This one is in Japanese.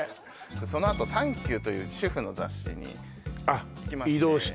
そのあと「サンキュ！」という主婦の雑誌にあっ異動して？